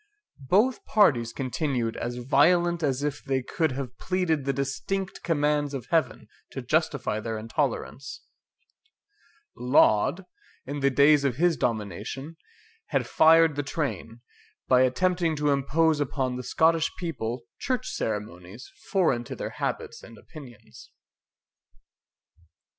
Both parties continued as violent as if they could have pleaded the distinct commands of Heaven to justify their intolerance, Laud, in the days of his domination, had fired the train, by attempting to impose upon the Scottish people church ceremonies foreign to their habits and opinions.